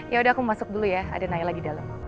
ya udah aku mau masuk dulu ya ada nailah di dalam